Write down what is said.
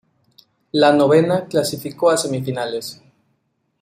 La novena clasificó a semifinales.